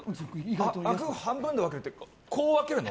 あぐー、半分で分けるって縦に分けるの？